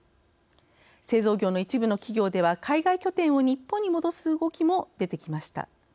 製造業の一部の企業では海外拠点を日本に戻す動きも出てきました。